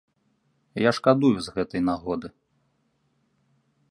Я шкадую з гэтай нагоды.